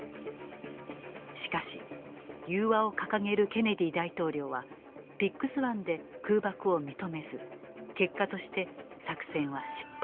しかし融和を掲げるケネディ大統領はピッグス湾で空爆を認めず結果として作戦は失敗。